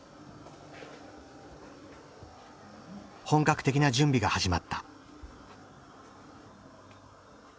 本格的な準備が始まった。